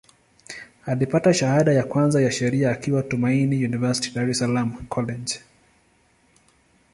Alipata shahada ya kwanza ya Sheria akiwa Tumaini University, Dar es Salaam College.